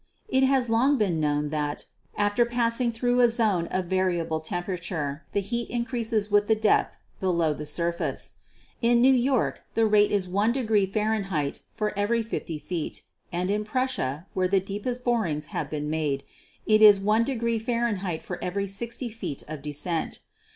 It has long been known that after passing through a VULCANISM 125 zone of variable temperature the heat increases with the depth below the surface. In New York the rate is i° F. for every 50 feet and in Prussia, where the deepest borings have been made, it is i° F. for every 60 feet of descent.